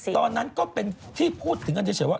ตอนนั้นก็เป็นที่พูดถึงกันเฉยว่า